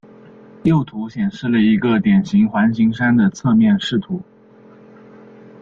右图显示了一个典型环形山的侧面视图。